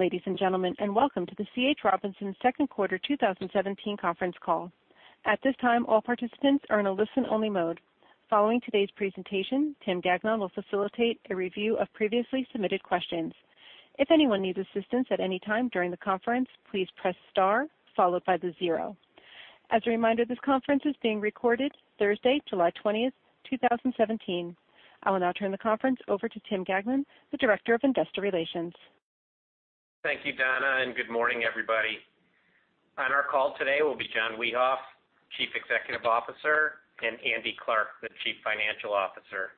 Ladies and gentlemen, welcome to the C.H. Robinson second quarter 2017 conference call. At this time, all participants are in a listen only mode. Following today's presentation, Tim Gagnon will facilitate a review of previously submitted questions. If anyone needs assistance at any time during the conference, please press star followed by the zero. As a reminder, this conference is being recorded Thursday, July 20th, 2017. I will now turn the conference over to Tim Gagnon, the Director of Investor Relations. Thank you, Donna, good morning, everybody. On our call today will be John Wiehoff, Chief Executive Officer, and Andrew Clarke, the Chief Financial Officer.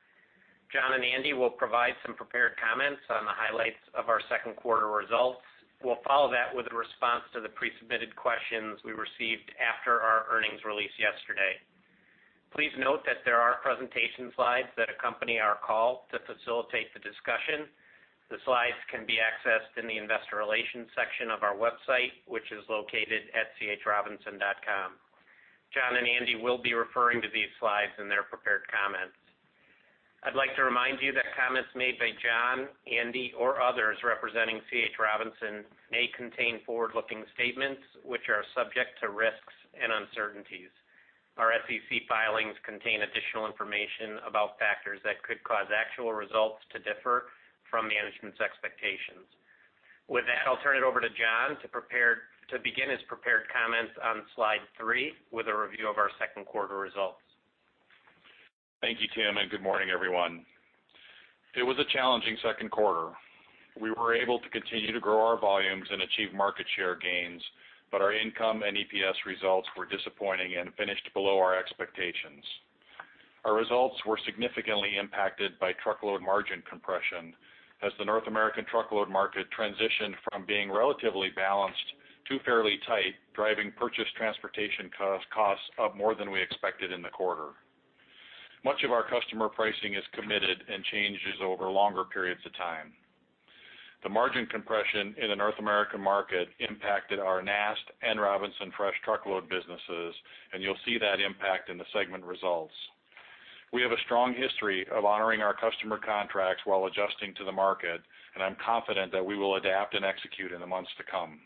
John and Andy will provide some prepared comments on the highlights of our second quarter results. We'll follow that with a response to the pre-submitted questions we received after our earnings release yesterday. Please note that there are presentation slides that accompany our call to facilitate the discussion. The slides can be accessed in the investor relations section of our website, which is located at chrobinson.com. John and Andy will be referring to these slides in their prepared comments. I'd like to remind you that comments made by John, Andy, or others representing C.H. Robinson may contain forward-looking statements which are subject to risks and uncertainties. Our SEC filings contain additional information about factors that could cause actual results to differ from management's expectations. With that, I'll turn it over to John to begin his prepared comments on slide three with a review of our second quarter results. Thank you, Tim, good morning, everyone. It was a challenging second quarter. We were able to continue to grow our volumes and achieve market share gains, but our income and EPS results were disappointing and finished below our expectations. Our results were significantly impacted by truckload margin compression as the North American truckload market transitioned from being relatively balanced to fairly tight, driving purchase transportation costs up more than we expected in the quarter. Much of our customer pricing is committed and changes over longer periods of time. The margin compression in the North American market impacted our NAST and Robinson Fresh truckload businesses, you'll see that impact in the segment results. We have a strong history of honoring our customer contracts while adjusting to the market, I'm confident that we will adapt and execute in the months to come.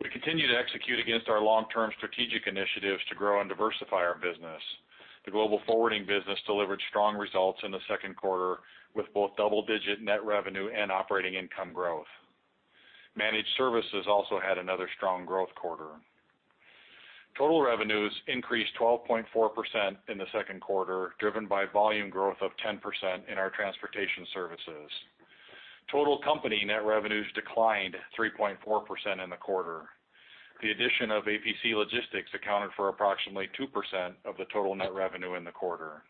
We continue to execute against our long term strategic initiatives to grow and diversify our business. The Global Forwarding business delivered strong results in the second quarter with both double-digit net revenue and operating income growth. Managed services also had another strong growth quarter. Total revenues increased 12.4% in the second quarter, driven by volume growth of 10% in our transportation services. Total company net revenues declined 3.4% in the quarter. The addition of APC Logistics accounted for approximately 2% of the total net revenue in the quarter.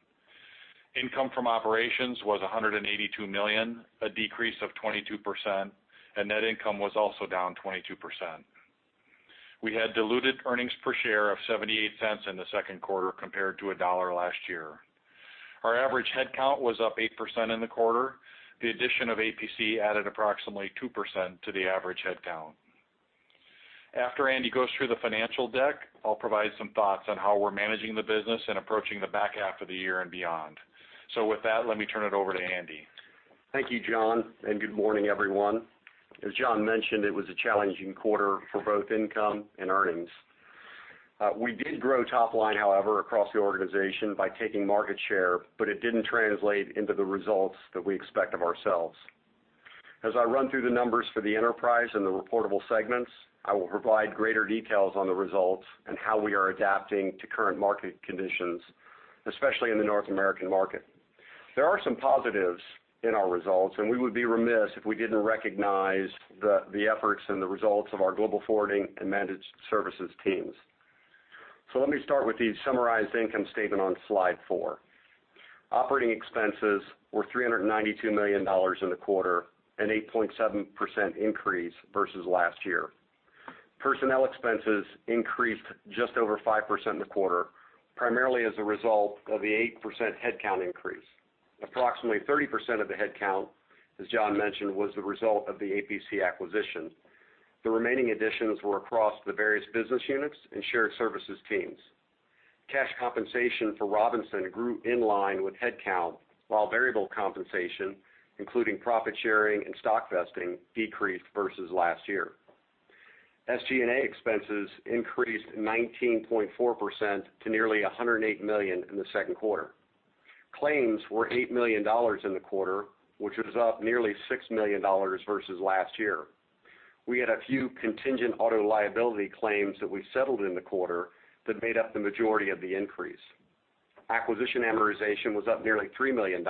Income from operations was $182 million, a decrease of 22%, and net income was also down 22%. We had diluted earnings per share of $0.78 in the second quarter compared to $1 last year. Our average headcount was up 8% in the quarter. The addition of APC added approximately 2% to the average headcount. After Andy Clarke goes through the financial deck, I'll provide some thoughts on how we're managing the business and approaching the back half of the year and beyond. With that, let me turn it over to Andy Clarke. Thank you, John Wiehoff. Good morning, everyone. As John Wiehoff mentioned, it was a challenging quarter for both income and earnings. We did grow top line, however, across the organization by taking market share, but it didn't translate into the results that we expect of ourselves. As I run through the numbers for the enterprise and the reportable segments, I will provide greater details on the results and how we are adapting to current market conditions, especially in the North American market. There are some positives in our results, and we would be remiss if we didn't recognize the efforts and the results of our Global Forwarding and Managed services teams. Let me start with the summarized income statement on slide four. Operating expenses were $392 million in the quarter, an 8.7% increase versus last year. Personnel expenses increased just over 5% in the quarter, primarily as a result of the 8% headcount increase. Approximately 2% of the headcount, as John Wiehoff mentioned, was the result of the APC acquisition. The remaining additions were across the various business units and shared services teams. Cash compensation for C.H. Robinson grew in line with headcount, while variable compensation, including profit sharing and stock vesting, decreased versus last year. SG&A expenses increased 19.4% to nearly $108 million in the second quarter. Claims were $8 million in the quarter, which was up nearly $6 million versus last year. We had a few contingent auto liability claims that we settled in the quarter that made up the majority of the increase. Acquisition amortization was up nearly $3 million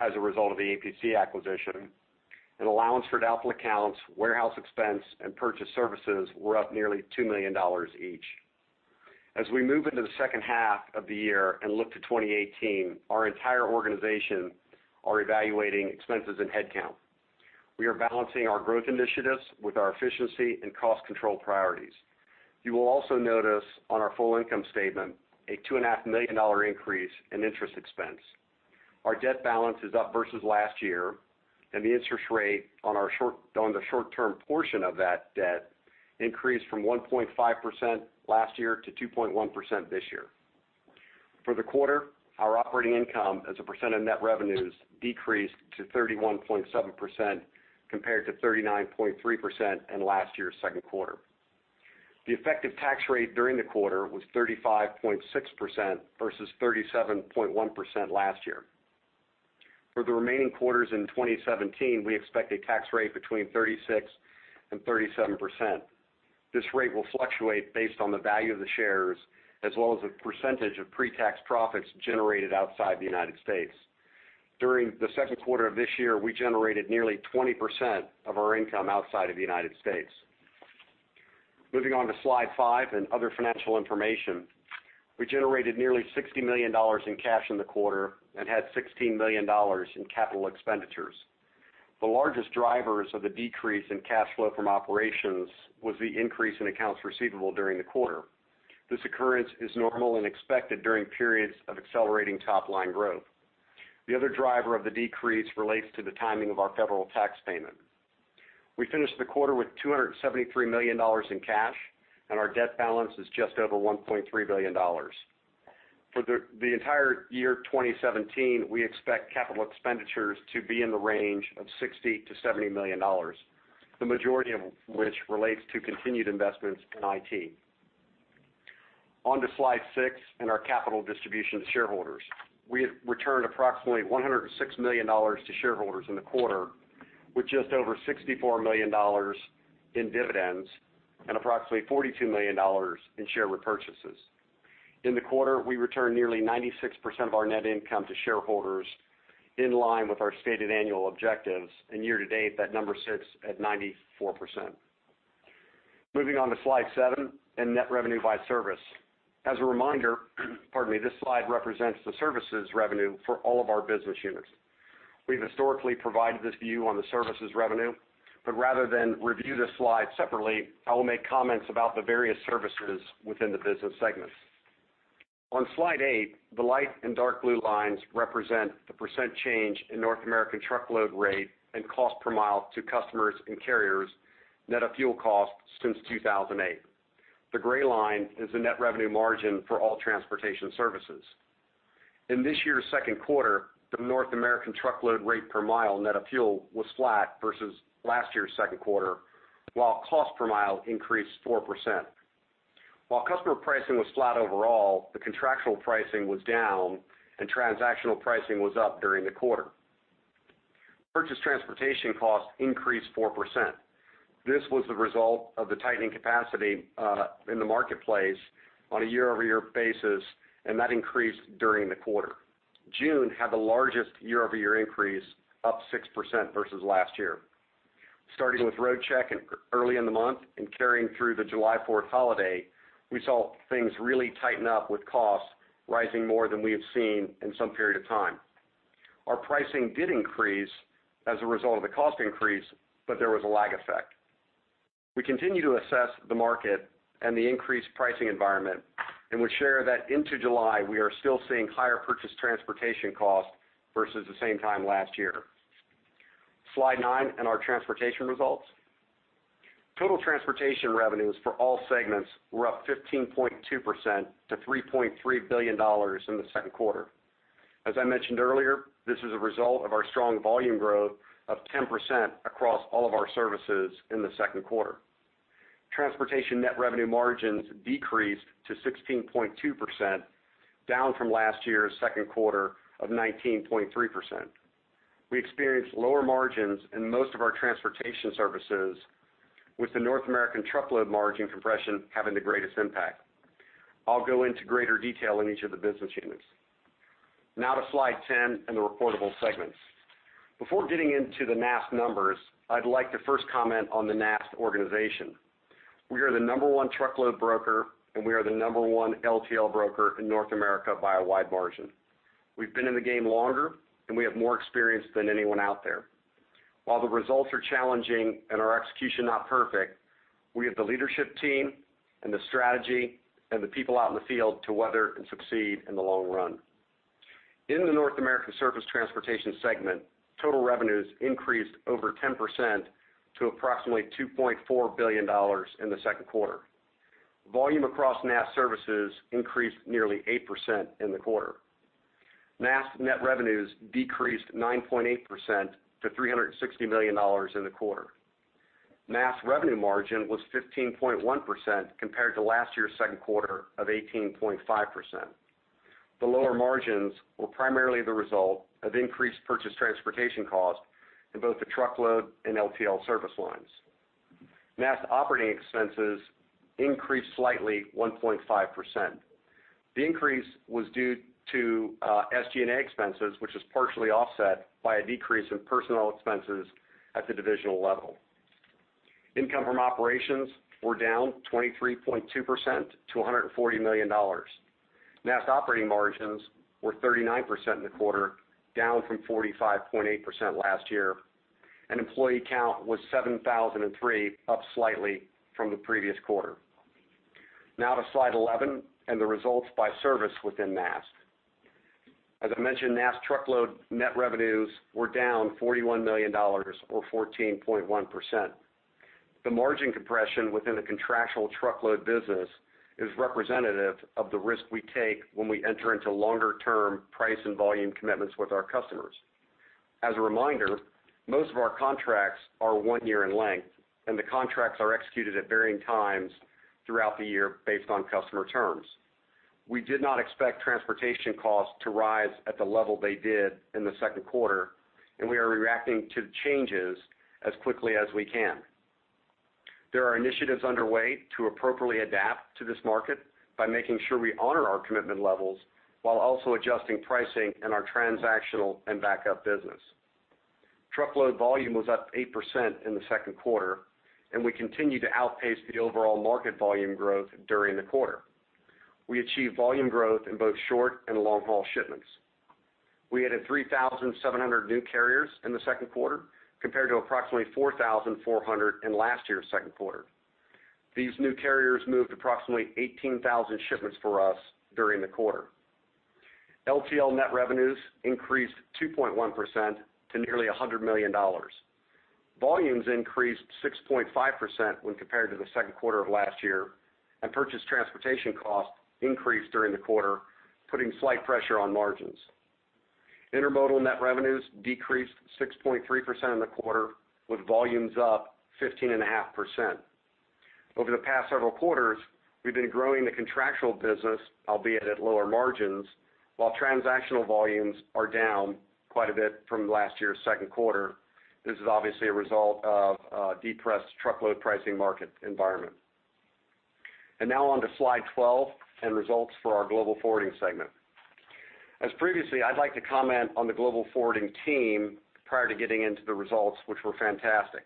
as a result of the APC acquisition. Allowance for doubtful accounts, warehouse expense, and purchase services were up nearly $2 million each. As we move into the second half of the year and look to 2018, our entire organization are evaluating expenses and headcount. We are balancing our growth initiatives with our efficiency and cost control priorities. You will also notice on our full income statement a $2.5 million increase in interest expense. Our debt balance is up versus last year, and the interest rate on the short term portion of that debt increased from 1.5% last year to 2.1% this year. For the quarter, our operating income as a % of net revenues decreased to 31.7% compared to 39.3% in last year's second quarter. The effective tax rate during the quarter was 35.6% versus 37.1% last year. For the remaining quarters in 2017, we expect a tax rate between 36% and 37%. This rate will fluctuate based on the value of the shares, as well as the % of pre-tax profits generated outside the United States. During the second quarter of this year, we generated nearly 20% of our income outside of the United States. Moving on to Slide 5 and other financial information. We generated nearly $60 million in cash in the quarter and had $16 million in capital expenditures. The largest drivers of the decrease in cash flow from operations was the increase in accounts receivable during the quarter. This occurrence is normal and expected during periods of accelerating top-line growth. The other driver of the decrease relates to the timing of our federal tax payment. We finished the quarter with $273 million in cash, and our debt balance is just over $1.3 billion. For the entire year 2017, we expect capital expenditures to be in the range of $60 million-$70 million, the majority of which relates to continued investments in IT. On to Slide 6 and our capital distribution to shareholders. We returned approximately $106 million to shareholders in the quarter, with just over $64 million in dividends and approximately $42 million in share repurchases. In the quarter, we returned nearly 96% of our net income to shareholders, in line with our stated annual objectives. Year-to-date, that number sits at 94%. Moving on to Slide 7 and net revenue by service. As a reminder, this slide represents the services revenue for all of our business units. We've historically provided this view on the services revenue, but rather than review this slide separately, I will make comments about the various services within the business segments. On Slide 8, the light and dark blue lines represent the % change in North American truckload rate and cost per mile to customers and carriers net of fuel costs since 2008. The gray line is the net revenue margin for all transportation services. In this year's second quarter, the North American truckload rate per mile net of fuel was flat versus last year's second quarter, while cost per mile increased 4%. While customer pricing was flat overall, the contractual pricing was down, and transactional pricing was up during the quarter. Purchase transportation costs increased 4%. This was the result of the tightening capacity in the marketplace on a year-over-year basis, and that increased during the quarter. June had the largest year-over-year increase, up 6% versus last year. Starting with Roadcheck early in the month and carrying through the July 4th holiday, we saw things really tighten up, with costs rising more than we have seen in some period of time. Our pricing did increase as a result of the cost increase. There was a lag effect. We continue to assess the market and the increased pricing environment and would share that into July, we are still seeing higher purchase transportation costs versus the same time last year. Slide 9 and our transportation results. Total transportation revenues for all segments were up 15.2% to $3.3 billion in the second quarter. As I mentioned earlier, this is a result of our strong volume growth of 10% across all of our services in the second quarter. Transportation net revenue margins decreased to 16.2%, down from last year's second quarter of 19.3%. We experienced lower margins in most of our transportation services, with the North American truckload margin compression having the greatest impact. I'll go into greater detail in each of the business units. Now to Slide 10 and the reportable segments. Before getting into the NAST numbers, I'd like to first comment on the NAST organization. We are the number one truckload broker, and we are the number one LTL broker in North America by a wide margin. We've been in the game longer, and we have more experience than anyone out there. While the results are challenging and our execution not perfect, we have the leadership team and the strategy and the people out in the field to weather and succeed in the long run. In the North American Surface Transportation segment, total revenues increased over 10% to approximately $2.4 billion in the second quarter. Volume across NAST services increased nearly 8% in the quarter. NAST net revenues decreased 9.8% to $360 million in the quarter. NAST revenue margin was 15.1% compared to last year's second quarter of 18.5%. The lower margins were primarily the result of increased purchase transportation cost in both the truckload and LTL service lines. NAST operating expenses increased slightly 1.5%. The increase was due to SG&A expenses, which was partially offset by a decrease in personnel expenses at the divisional level. Income from operations were down 23.2% to $140 million. NAST operating margins were 39% in the quarter, down from 45.8% last year, and employee count was 7,003, up slightly from the previous quarter. Now to Slide 11 and the results by service within NAST. As I mentioned, NAST truckload net revenues were down $41 million or 14.1%. The margin compression within the contractual truckload business is representative of the risk we take when we enter into longer-term price and volume commitments with our customers. As a reminder, most of our contracts are one year in length, and the contracts are executed at varying times throughout the year based on customer terms. We did not expect transportation costs to rise at the level they did in the second quarter. We are reacting to changes as quickly as we can. There are initiatives underway to appropriately adapt to this market by making sure we honor our commitment levels while also adjusting pricing in our transactional and backup business. Truckload volume was up 8% in the second quarter. We continue to outpace the overall market volume growth during the quarter. We achieved volume growth in both short and long-haul shipments. We added 3,700 new carriers in the second quarter compared to approximately 4,400 in last year's second quarter. These new carriers moved approximately 18,000 shipments for us during the quarter. LTL net revenues increased 2.1% to nearly $100 million. Volumes increased 6.5% when compared to the second quarter of last year, and purchased transportation costs increased during the quarter, putting slight pressure on margins. Intermodal net revenues decreased 6.3% in the quarter, with volumes up 15.5%. Over the past several quarters, we've been growing the contractual business, albeit at lower margins, while transactional volumes are down quite a bit from last year's second quarter. This is obviously a result of a depressed truckload pricing market environment. Now on to slide 12 and results for our Global Forwarding segment. As previously, I'd like to comment on the Global Forwarding team prior to getting into the results, which were fantastic.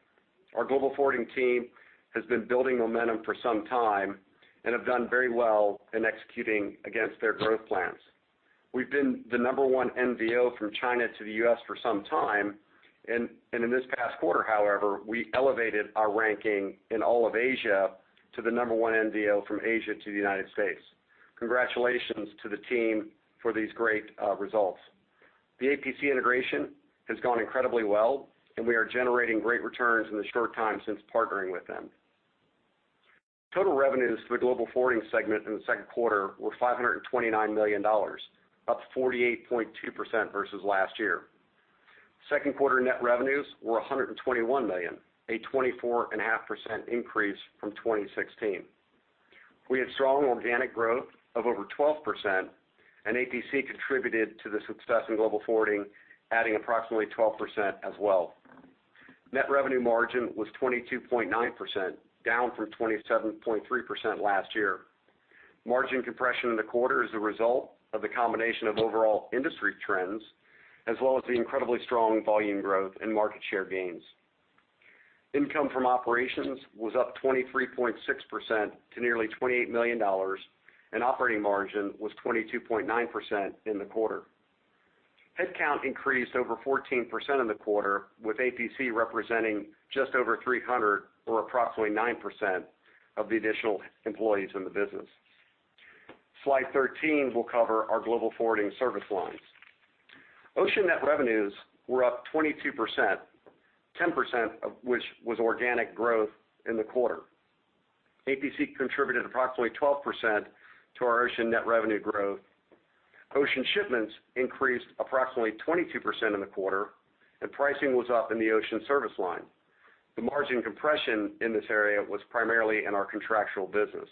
Our Global Forwarding team has been building momentum for some time and have done very well in executing against their growth plans. We've been the number one NVO from China to the U.S. for some time, and in this past quarter, however, we elevated our ranking in all of Asia to the number one NVO from Asia to the United States. Congratulations to the team for these great results. The APC integration has gone incredibly well, and we are generating great returns in the short time since partnering with them. Total revenues for the Global Forwarding segment in the second quarter were $529 million, up 48.2% versus last year. Second quarter net revenues were $121 million, a 24.5% increase from 2016. We had strong organic growth of over 12%, and APC contributed to the success in Global Forwarding, adding approximately 12% as well. Net revenue margin was 22.9%, down from 27.3% last year. Margin compression in the quarter is the result of the combination of overall industry trends, as well as the incredibly strong volume growth and market share gains. Income from operations was up 23.6% to nearly $28 million, and operating margin was 22.9% in the quarter. Headcount increased over 14% in the quarter, with APC representing just over 300 or approximately 9% of the additional employees in the business. Slide 13 will cover our Global Forwarding service lines. Ocean net revenues were up 22%, 10% of which was organic growth in the quarter. APC contributed approximately 12% to our ocean net revenue growth. Ocean shipments increased approximately 22% in the quarter, and pricing was up in the ocean service line. The margin compression in this area was primarily in our contractual business.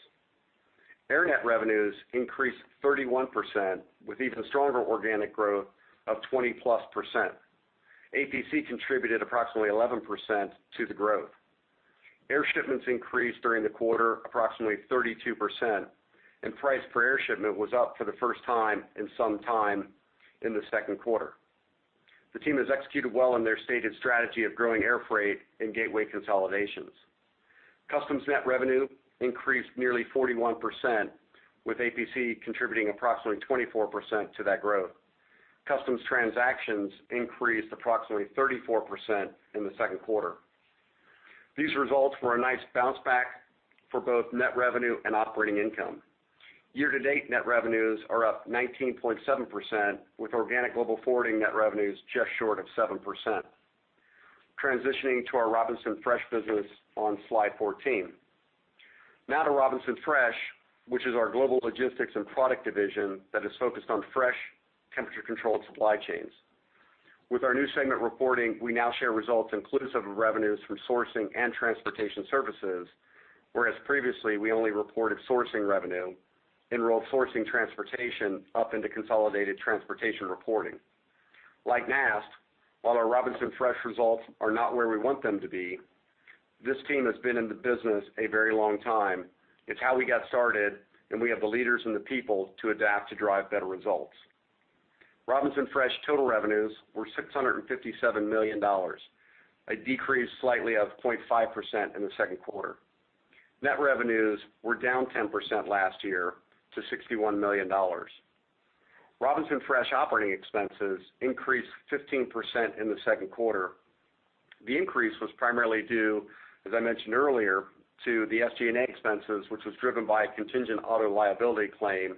Air net revenues increased 31%, with even stronger organic growth of 20-plus percent. APC contributed approximately 11% to the growth. Air shipments increased during the quarter approximately 32%, and price per air shipment was up for the first time in some time in the second quarter. The team has executed well in their stated strategy of growing air freight and gateway consolidations. Customs net revenue increased nearly 41%, with APC contributing approximately 24% to that growth. Customs transactions increased approximately 34% in the second quarter. These results were a nice bounce back for both net revenue and operating income. Year-to-date net revenues are up 19.7%, with organic Global Forwarding net revenues just short of 7%. Transitioning to our Robinson Fresh business on slide 14. Now to Robinson Fresh, which is our global logistics and product division that is focused on fresh temperature-controlled supply chains. With our new segment reporting, we now share results inclusive of revenues from sourcing and transportation services, whereas previously, we only reported sourcing revenue, rolled sourcing transportation up into consolidated transportation reporting. Like NAST, while our Robinson Fresh results are not where we want them to be, this team has been in the business a very long time. It's how we got started, and we have the leaders and the people to adapt to drive better results. Robinson Fresh total revenues were $657 million, a decrease slightly of 0.5% in the second quarter. Net revenues were down 10% last year to $61 million. Robinson Fresh operating expenses increased 15% in the second quarter. The increase was primarily due, as I mentioned earlier, to the SG&A expenses, which was driven by a contingent auto liability claim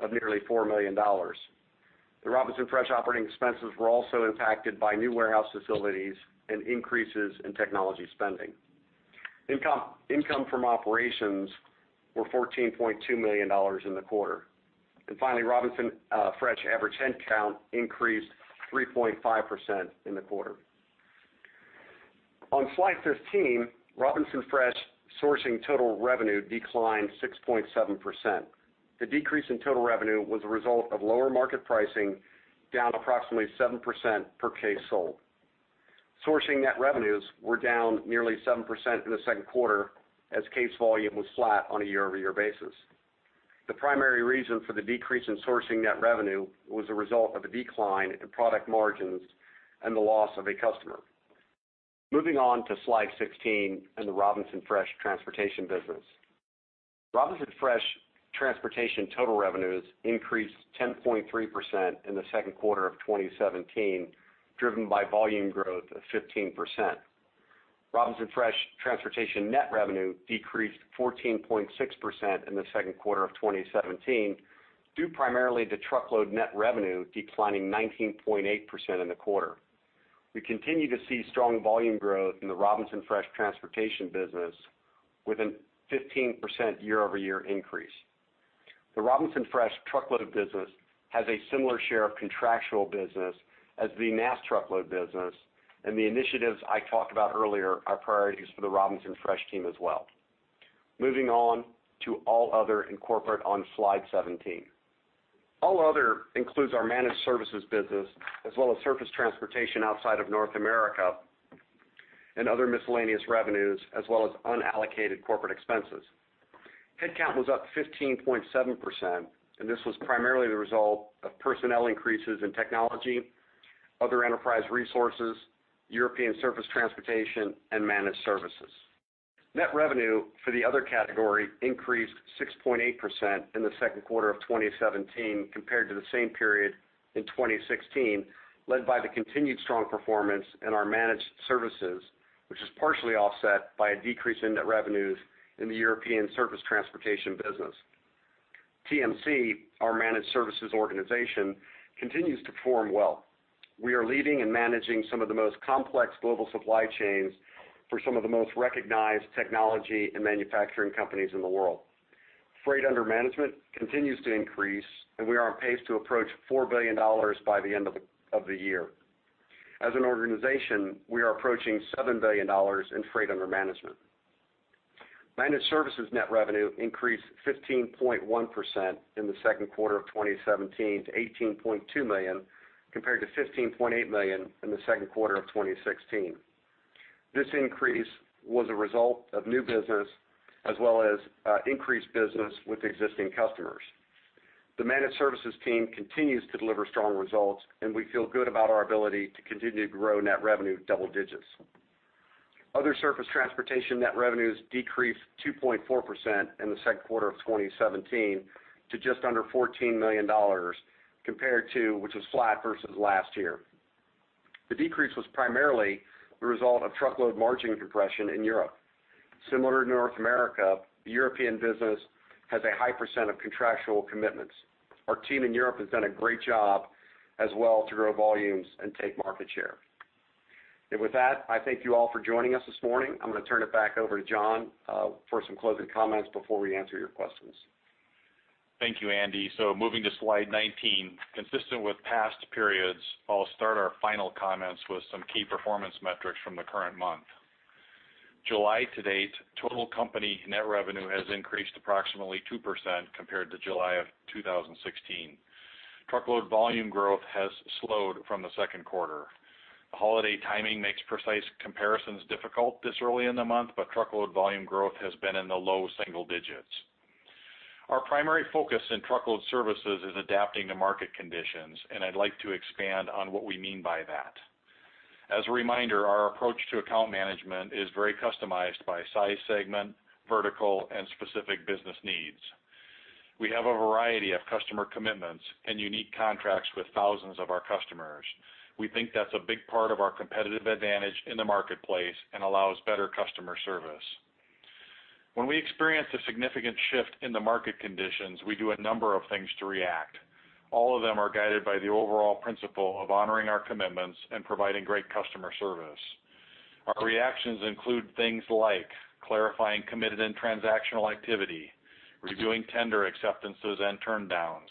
of nearly $4 million. The Robinson Fresh operating expenses were also impacted by new warehouse facilities and increases in technology spending. Income from operations were $14.2 million in the quarter. Finally, Robinson Fresh average headcount increased 3.5% in the quarter. On slide 15, Robinson Fresh sourcing total revenue declined 6.7%. The decrease in total revenue was a result of lower market pricing, down approximately 7% per case sold. Sourcing net revenues were down nearly 7% in the second quarter, as case volume was flat on a year-over-year basis. The primary reason for the decrease in sourcing net revenue was a result of the decline in product margins and the loss of a customer. Moving on to slide 16 and the Robinson Fresh transportation business. Robinson Fresh transportation total revenues increased 10.3% in the second quarter of 2017, driven by volume growth of 15%. Robinson Fresh transportation net revenue decreased 14.6% in the second quarter of 2017, due primarily to truckload net revenue declining 19.8% in the quarter. We continue to see strong volume growth in the Robinson Fresh transportation business with a 15% year-over-year increase. The Robinson Fresh truckload business has a similar share of contractual business as the NAST truckload business, and the initiatives I talked about earlier are priorities for the Robinson Fresh team as well. Moving on to all other in corporate on slide 17. All other includes our managed services business, as well as surface transportation outside of North America, and other miscellaneous revenues, as well as unallocated corporate expenses. Headcount was up 15.7%, and this was primarily the result of personnel increases in technology, other enterprise resources, European surface transportation, and managed services. Net revenue for the other category increased 6.8% in the second quarter of 2017 compared to the same period in 2016, led by the continued strong performance in our managed services, which is partially offset by a decrease in net revenues in the European surface transportation business. TMC, our managed services organization, continues to perform well. We are leading and managing some of the most complex global supply chains for some of the most recognized technology and manufacturing companies in the world. Freight under management continues to increase, and we are on pace to approach $4 billion by the end of the year. As an organization, we are approaching $7 billion in freight under management. Managed services net revenue increased 15.1% in the second quarter of 2017 to $18.2 million, compared to $15.8 million in the second quarter of 2016. This increase was a result of new business, as well as increased business with existing customers. The managed services team continues to deliver strong results, and we feel good about our ability to continue to grow net revenue double digits. Other surface transportation net revenues decreased 2.4% in the second quarter of 2017 to just under $14 million, compared to which was flat versus last year. The decrease was primarily the result of truckload margin compression in Europe. Similar to North America, the European business has a high percent of contractual commitments. Our team in Europe has done a great job as well to grow volumes and take market share. With that, I thank you all for joining us this morning. I'm going to turn it back over to John for some closing comments before we answer your questions. Thank you, Andy. Moving to slide 19. Consistent with past periods, I'll start our final comments with some key performance metrics from the current month. July to date, total company net revenue has increased approximately 2% compared to July of 2016. Truckload volume growth has slowed from the second quarter. The holiday timing makes precise comparisons difficult this early in the month, but truckload volume growth has been in the low single digits. Our primary focus in truckload services is adapting to market conditions, and I'd like to expand on what we mean by that. As a reminder, our approach to account management is very customized by size segment, vertical, and specific business needs. We have a variety of customer commitments and unique contracts with thousands of our customers. We think that's a big part of our competitive advantage in the marketplace and allows better customer service. When we experience a significant shift in the market conditions, we do a number of things to react. All of them are guided by the overall principle of honoring our commitments and providing great customer service. Our reactions include things like clarifying committed and transactional activity, reviewing tender acceptances and turndowns,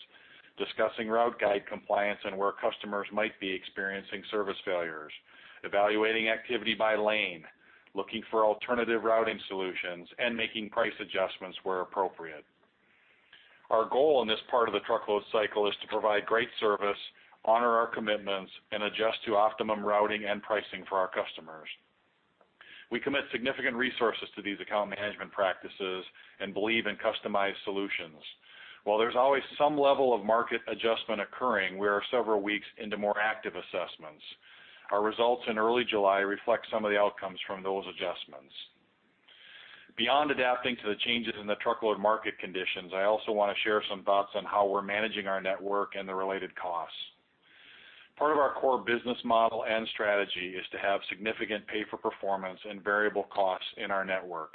discussing route guide compliance and where customers might be experiencing service failures, evaluating activity by lane, looking for alternative routing solutions, and making price adjustments where appropriate. Our goal in this part of the truckload cycle is to provide great service, honor our commitments, and adjust to optimum routing and pricing for our customers. We commit significant resources to these account management practices and believe in customized solutions. While there's always some level of market adjustment occurring, we are several weeks into more active assessments. Our results in early July reflect some of the outcomes from those adjustments Beyond adapting to the changes in the truckload market conditions, I also want to share some thoughts on how we're managing our network and the related costs. Part of our core business model and strategy is to have significant pay for performance and variable costs in our network.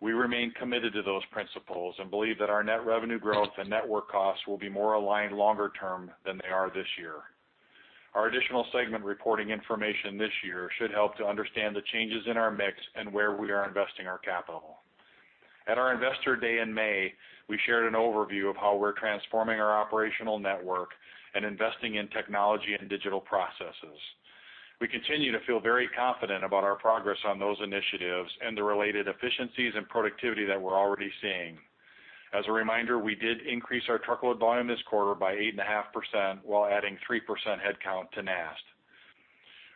We remain committed to those principles and believe that our net revenue growth and network costs will be more aligned longer term than they are this year. Our additional segment reporting information this year should help to understand the changes in our mix and where we are investing our capital. At our Investor Day in May, we shared an overview of how we're transforming our operational network and investing in technology and digital processes. We continue to feel very confident about our progress on those initiatives and the related efficiencies and productivity that we're already seeing. As a reminder, we did increase our truckload volume this quarter by 8.5% while adding 3% headcount to NAST.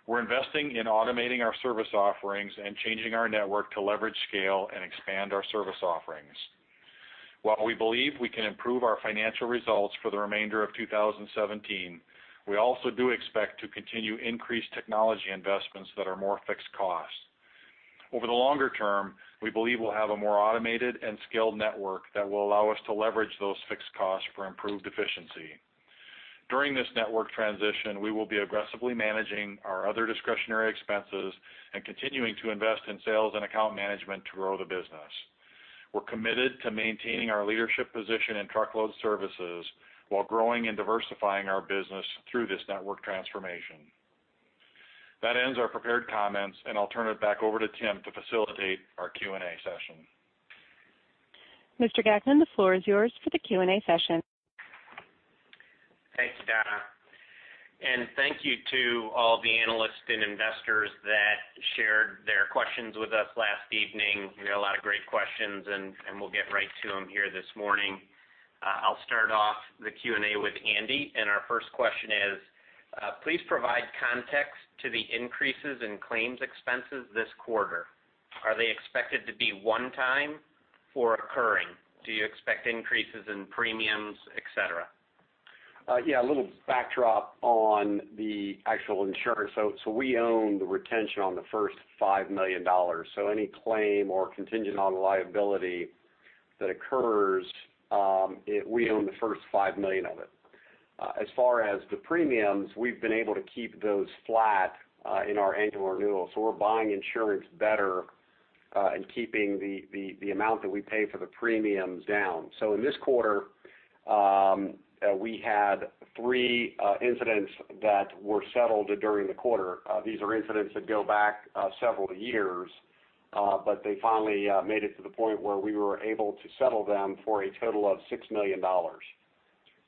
We're investing in automating our service offerings and changing our network to leverage scale and expand our service offerings. While we believe we can improve our financial results for the remainder of 2017, we also do expect to continue increased technology investments that are more fixed costs. Over the longer term, we believe we'll have a more automated and scaled network that will allow us to leverage those fixed costs for improved efficiency. During this network transition, we will be aggressively managing our other discretionary expenses and continuing to invest in sales and account management to grow the business. We're committed to maintaining our leadership position in truckload services while growing and diversifying our business through this network transformation. That ends our prepared comments, and I'll turn it back over to Tim to facilitate our Q&A session. Mr. Gagnon, the floor is yours for the Q&A session. Thanks, Donna. Thank you to all the analysts and investors that shared their questions with us last evening. There were a lot of great questions, and we'll get right to them here this morning. I'll start off the Q&A with Andy, and our first question is, please provide context to the increases in claims expenses this quarter. Are they expected to be one time or occurring? Do you expect increases in premiums, et cetera? Yeah. A little backdrop on the actual insurance. We own the retention on the first $5 million. Any claim or contingent on liability that occurs, we own the first $5 million of it. As far as the premiums, we've been able to keep those flat in our annual renewal. We're buying insurance better, and keeping the amount that we pay for the premiums down. In this quarter, we had three incidents that were settled during the quarter. These are incidents that go back several years, but they finally made it to the point where we were able to settle them for a total of $6 million.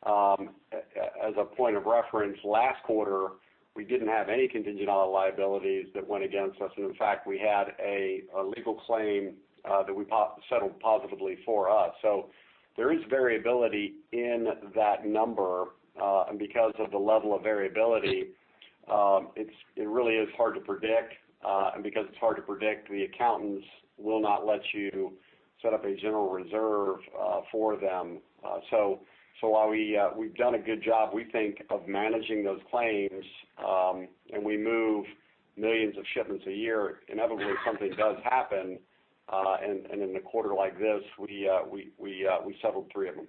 As a point of reference, last quarter, we didn't have any contingent on liabilities that went against us, and in fact, we had a legal claim that we settled positively for us. There is variability in that number, and because of the level of variability, it really is hard to predict. Because it's hard to predict, the accountants will not let you set up a general reserve for them. While we've done a good job, we think, of managing those claims, and we move millions of shipments a year, inevitably something does happen, and in a quarter like this, we settled three of them.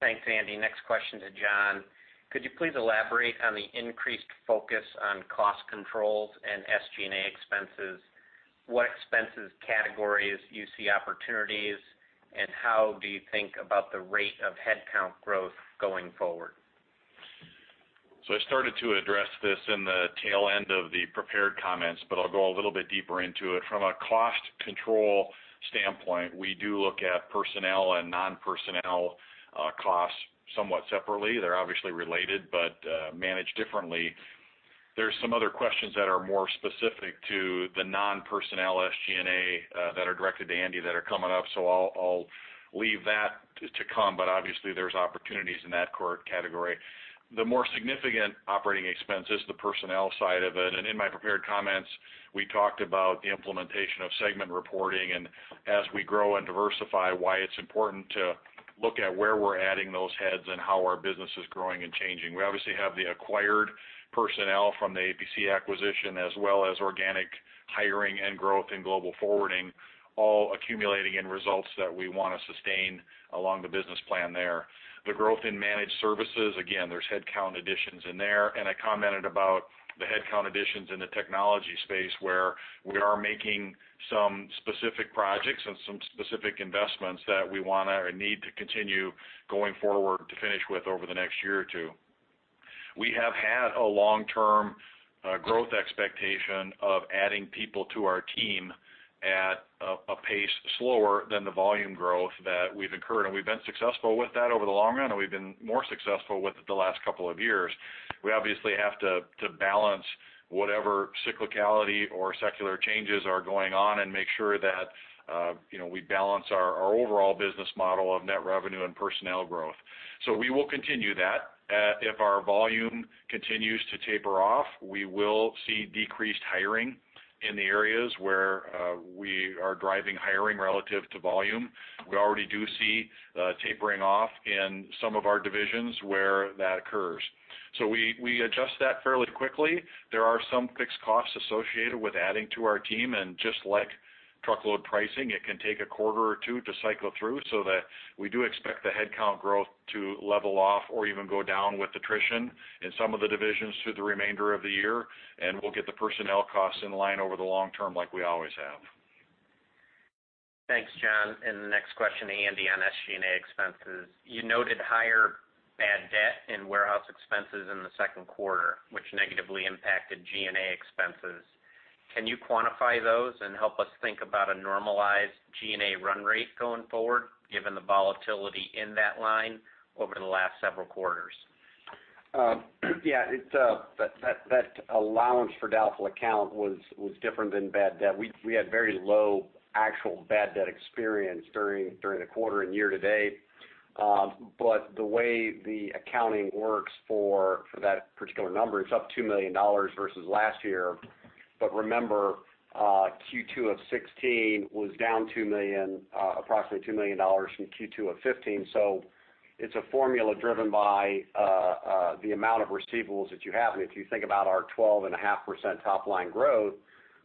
Thanks, Andy. Next question to John. Could you please elaborate on the increased focus on cost controls and SG&A expenses? What expenses categories do you see opportunities, and how do you think about the rate of headcount growth going forward? I started to address this in the tail end of the prepared comments, but I'll go a little bit deeper into it. From a cost control standpoint, we do look at personnel and non-personnel costs somewhat separately. They're obviously related, but managed differently. There's some other questions that are more specific to the non-personnel SG&A that are directed to Andy that are coming up, so I'll leave that to come. Obviously, there's opportunities in that category. The more significant operating expense is the personnel side of it. In my prepared comments, we talked about the implementation of segment reporting, and as we grow and diversify, why it's important to look at where we're adding those heads and how our business is growing and changing. We obviously have the acquired personnel from the APC acquisition as well as organic hiring and growth in Global Forwarding, all accumulating in results that we want to sustain along the business plan there. The growth in managed services, again, there's headcount additions in there. I commented about the headcount additions in the technology space, where we are making some specific projects and some specific investments that we want to or need to continue going forward to finish with over the next year or two. We have had a long-term growth expectation of adding people to our team at a pace slower than the volume growth that we've incurred, and we've been successful with that over the long run, and we've been more successful with it the last couple of years. We obviously have to balance whatever cyclicality or secular changes are going on and make sure that we balance our overall business model of net revenue and personnel growth. We will continue that. If our volume continues to taper off, we will see decreased hiring in the areas where we are driving hiring relative to volume. We already do see tapering off in some of our divisions where that occurs. We adjust that fairly quickly. There are some fixed costs associated with adding to our team, and just like truckload pricing, it can take a quarter or two to cycle through. We do expect the headcount growth to level off or even go down with attrition in some of the divisions through the remainder of the year, and we'll get the personnel costs in line over the long term like we always have. Thanks, John. The next question to Andy on SG&A expenses. You noted higher bad debt and warehouse expenses in the second quarter, which negatively impacted G&A expenses. Can you quantify those and help us think about a normalized G&A run rate going forward, given the volatility in that line over the last several quarters? Yeah. That allowance for doubtful account was different than bad debt. We had very low actual bad debt experience during the quarter and year to date. But the way the accounting works for that particular number, it's up $2 million versus last year. But remember, Q2 of 2016 was down approximately $2 million from Q2 of 2015. So it's a formula driven by the amount of receivables that you have. If you think about our 12.5% top-line growth,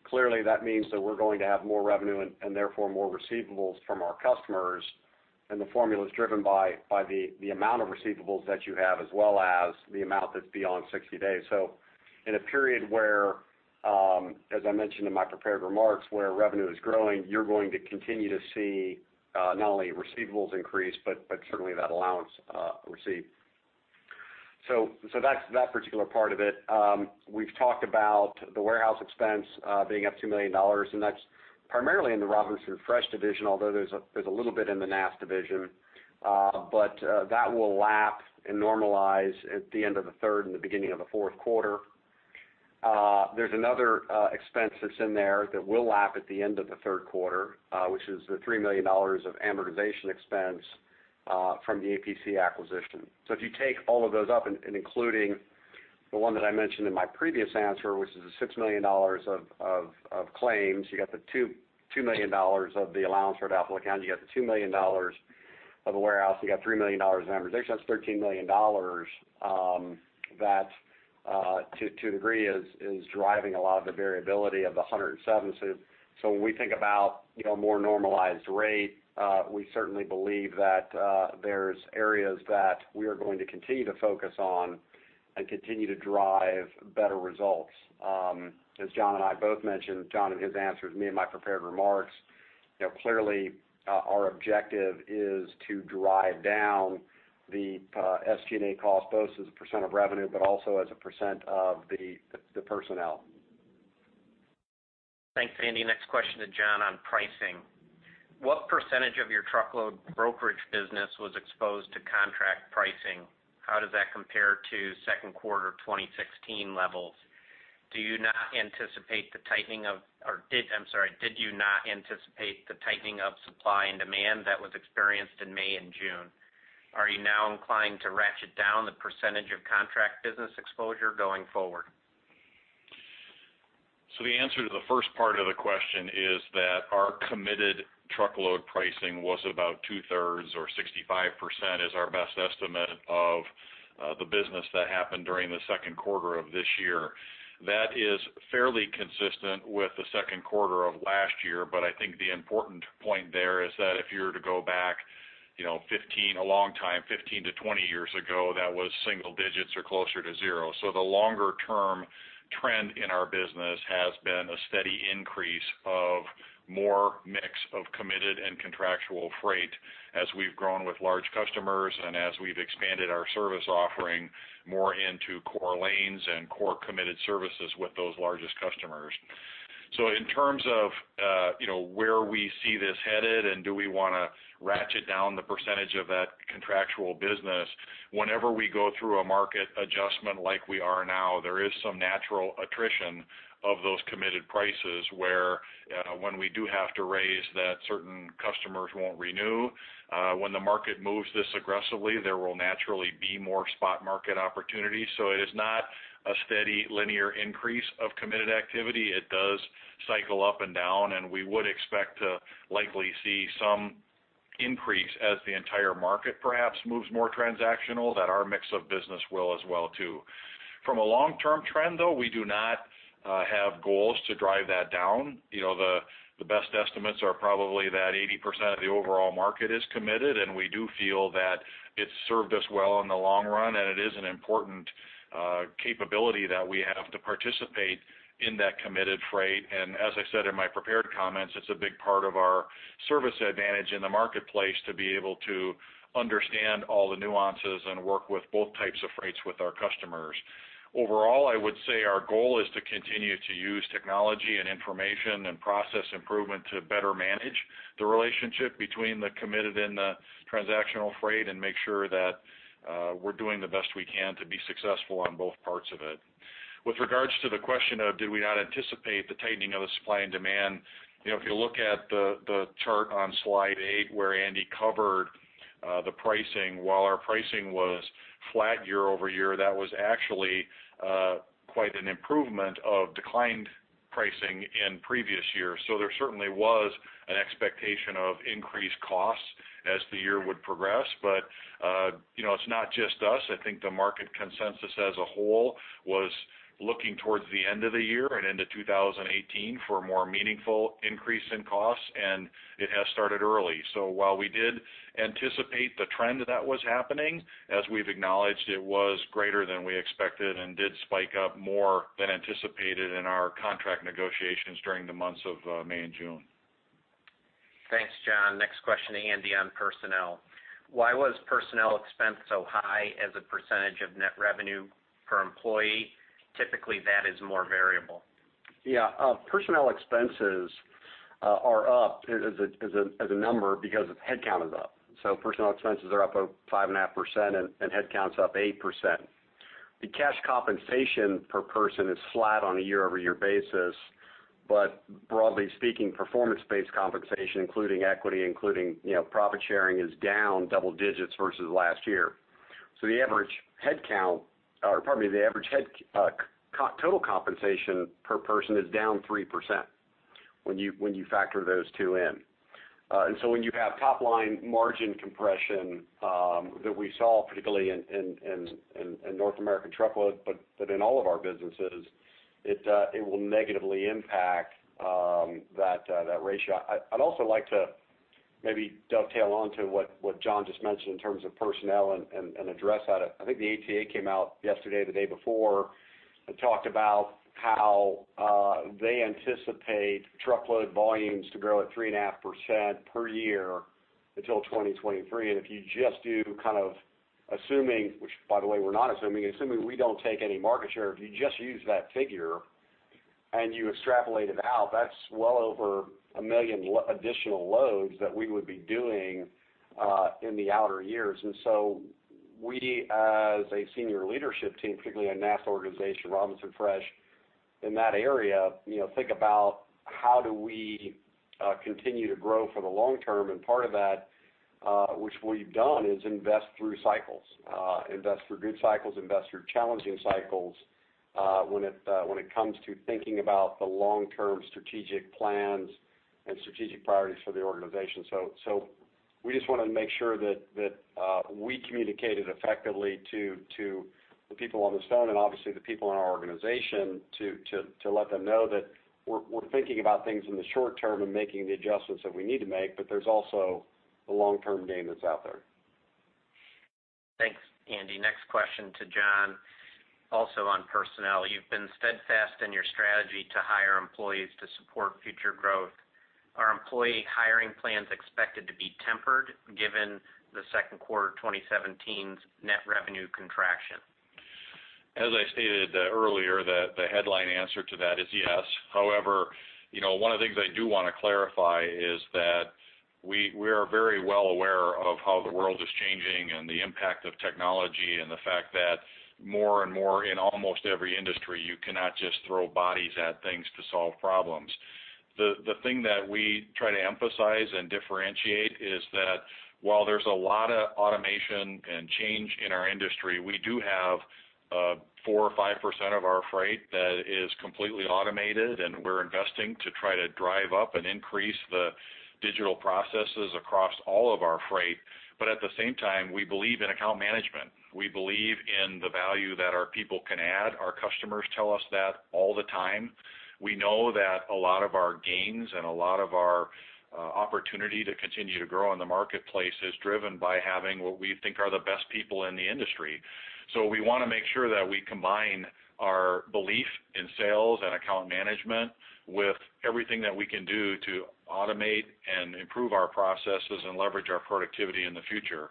clearly that means that we're going to have more revenue, and therefore more receivables from our customers, and the formula is driven by the amount of receivables that you have, as well as the amount that's beyond 60 days. So in a period where, as I mentioned in my prepared remarks, where revenue is growing, you're going to continue to see not only receivables increase, but certainly that allowance received. That's that particular part of it. We've talked about the warehouse expense being up $2 million, and that's primarily in the Robinson Fresh division, although there's a little bit in the NAST division. That will lap and normalize at the end of the third and the beginning of the fourth quarter. There's another expense that's in there that will lap at the end of the third quarter, which is the $3 million of amortization expense from the APC acquisition. If you take all of those up, and including the one that I mentioned in my previous answer, which is the $6 million of claims, you got the $2 million of the allowance for doubtful account, you got the $2 million of the warehouse, you got $3 million in amortization. That's $13 million that, to a degree, is driving a lot of the variability of the 107. When we think about a more normalized rate, we certainly believe that there's areas that we are going to continue to focus on and continue to drive better results. As John and I both mentioned, John in his answers, me in my prepared remarks, clearly our objective is to drive down the SG&A cost, both as a % of revenue, but also as a % of the personnel. Thanks, Andy. Next question to John on pricing. What % of your truckload brokerage business was exposed to contract pricing? How does that compare to second quarter 2016 levels? Did you not anticipate the tightening of supply and demand that was experienced in May and June? Are you now inclined to ratchet down the % of contract business exposure going forward? The answer to the first part of the question is that our committed truckload pricing was about two-thirds, or 65%, is our best estimate of the business that happened during the second quarter of this year. That is fairly consistent with the second quarter of last year. I think the important point there is that if you were to go back a long time, 15-20 years ago, that was single digits or closer to zero. The longer-term trend in our business has been a steady increase of more mix of committed and contractual freight as we've grown with large customers and as we've expanded our service offering more into core lanes and core committed services with those largest customers. In terms of where we see this headed and do we want to ratchet down the percentage of that contractual business, whenever we go through a market adjustment like we are now, there is some natural attrition of those committed prices where when we do have to raise that, certain customers won't renew. When the market moves this aggressively, there will naturally be more spot market opportunities. It is not a steady linear increase of committed activity. It does cycle up and down, and we would expect to likely see some increase as the entire market perhaps moves more transactional, that our mix of business will as well too. From a long-term trend, though, we do not have goals to drive that down. The best estimates are probably that 80% of the overall market is committed, we do feel that it's served us well in the long run, and it is an important capability that we have to participate in that committed freight. As I said in my prepared comments, it's a big part of our service advantage in the marketplace to be able to understand all the nuances and work with both types of freights with our customers. Overall, I would say our goal is to continue to use technology and information and process improvement to better manage the relationship between the committed and the transactional freight and make sure that we're doing the best we can to be successful on both parts of it. With regards to the question of did we not anticipate the tightening of the supply and demand, if you look at the chart on slide eight where Andy covered The pricing, while our pricing was flat year-over-year, that was actually quite an improvement of declined pricing in previous years. There certainly was an expectation of increased costs as the year would progress. It's not just us. I think the market consensus as a whole was looking towards the end of the year and into 2018 for a more meaningful increase in costs, and it has started early. While we did anticipate the trend that was happening, as we've acknowledged, it was greater than we expected and did spike up more than anticipated in our contract negotiations during the months of May and June. Thanks, John. Next question to Andy on personnel. Why was personnel expense so high as a percentage of net revenue per employee? Typically, that is more variable. Yeah. Personnel expenses are up as a number because its headcount is up. Personnel expenses are up 5.5%, and headcount's up 8%. The cash compensation per person is flat on a year-over-year basis, but broadly speaking, performance-based compensation, including equity, including profit sharing, is down double digits versus last year. The average total compensation per person is down 3% when you factor those two in. When you have top-line margin compression that we saw, particularly in North American truckload, but in all of our businesses, it will negatively impact that ratio. I'd also like to maybe dovetail onto what John just mentioned in terms of personnel and address that. I think the ATA came out yesterday or the day before and talked about how they anticipate truckload volumes to grow at 3.5% per year until 2023. If you just do assuming, which by the way, we're not assuming we don't take any market share. If you just use that figure and you extrapolate it out, that's well over 1 million additional loads that we would be doing in the outer years. We, as a senior leadership team, particularly a NAST organization, Robinson Fresh, in that area, think about how do we continue to grow for the long term. Part of that, which we've done, is invest through cycles, invest through good cycles, invest through challenging cycles, when it comes to thinking about the long-term strategic plans and strategic priorities for the organization. We just wanted to make sure that we communicated effectively to the people on this phone and obviously the people in our organization to let them know that we're thinking about things in the short term and making the adjustments that we need to make, but there's also the long-term game that's out there. Thanks, Andy. Next question to John, also on personnel. You've been steadfast in your strategy to hire employees to support future growth. Are employee hiring plans expected to be tempered given the second quarter 2017's net revenue contraction? As I stated earlier, the headline answer to that is yes. One of the things I do want to clarify is that we are very well aware of how the world is changing and the impact of technology, and the fact that more and more in almost every industry, you cannot just throw bodies at things to solve problems. The thing that we try to emphasize and differentiate is that while there's a lot of automation and change in our industry, we do have 4% or 5% of our freight that is completely automated, and we're investing to try to drive up and increase the digital processes across all of our freight. At the same time, we believe in account management. We believe in the value that our people can add. Our customers tell us that all the time. We know that a lot of our gains and a lot of our opportunity to continue to grow in the marketplace is driven by having what we think are the best people in the industry. We want to make sure that we combine our belief in sales and account management with everything that we can do to automate and improve our processes and leverage our productivity in the future.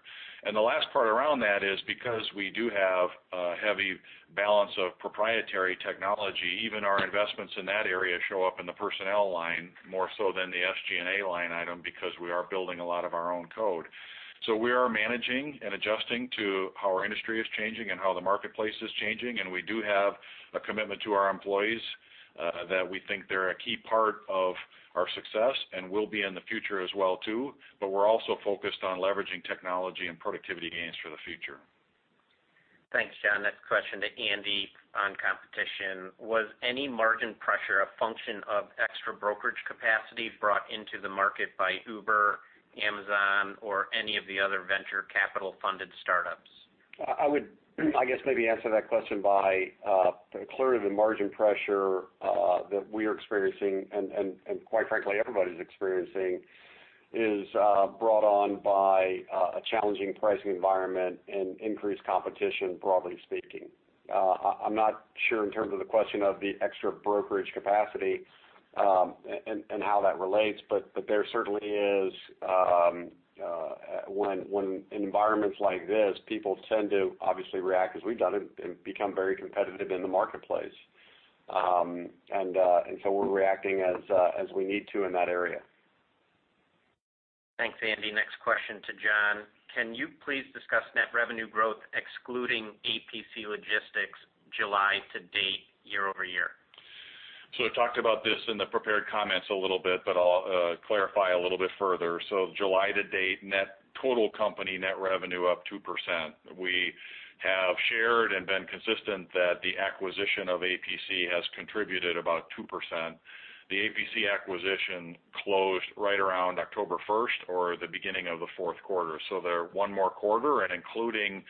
The last part around that is because we do have a heavy balance of proprietary technology, even our investments in that area show up in the personnel line more so than the SG&A line item because we are building a lot of our own code. We are managing and adjusting to how our industry is changing and how the marketplace is changing, and we do have a commitment to our employees that we think they're a key part of our success and will be in the future as well, too. We're also focused on leveraging technology and productivity gains for the future. Thanks, John. Next question to Andy on competition. Was any margin pressure a function of extra brokerage capacity brought into the market by Uber, Amazon, or any of the other venture capital funded startups? I would, I guess, maybe answer that question by clearly the margin pressure that we are experiencing, and quite frankly, everybody's experiencing, is brought on by a challenging pricing environment and increased competition, broadly speaking. I'm not sure in terms of the question of the extra brokerage capacity and how that relates, but there certainly is when in environments like this, people tend to obviously react as we've done and become very competitive in the marketplace. We're reacting as we need to in that area. Thanks, Andy. Next question to John. Can you please discuss net revenue growth excluding APC Logistics July to date, year-over-year? I talked about this in the prepared comments a little bit, but I'll clarify a little bit further. July to date, net total company net revenue up 2%. We have shared and been consistent that the acquisition of APC has contributed about 2%. The APC acquisition closed right around October 1st or the beginning of the fourth quarter. They're one more quarter, and including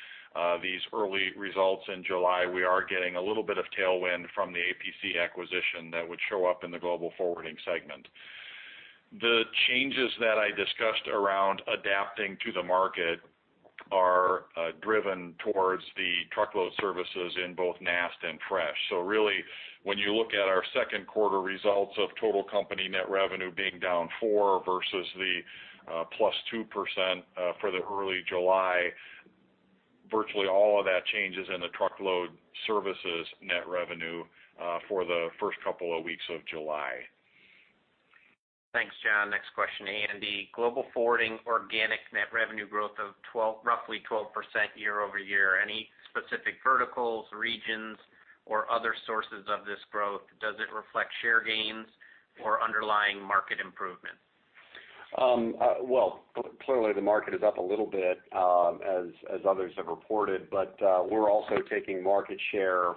these early results in July, we are getting a little bit of tailwind from the APC acquisition that would show up in the Global Forwarding segment. The changes that I discussed around adapting to the market are driven towards the truckload services in both NAST and Fresh. Really, when you look at our second quarter results of total company net revenue being down 4% versus the plus 2% for the early July, virtually all of that change is in the truckload services net revenue for the first couple of weeks of July. Thanks, John. Next question. Andy, Global Forwarding organic net revenue growth of roughly 12% year-over-year. Any specific verticals, regions, or other sources of this growth? Does it reflect share gains or underlying market improvement? Well, clearly, the market is up a little bit, as others have reported. We're also taking market share